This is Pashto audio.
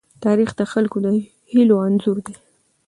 تاریخ د خلکو د هيلو انځور دی.